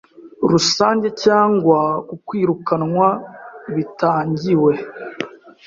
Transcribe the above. Rusange cyangwa ku kwirukanwa bitangiwe